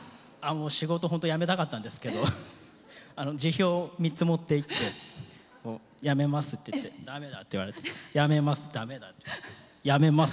仕事、本当辞めたかったんですけど辞表を３つ持っていって辞めますって言ったらだめだって言って辞めます、だめだ、辞めます。